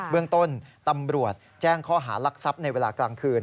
เรื่องต้นตำรวจแจ้งข้อหารักทรัพย์ในเวลากลางคืน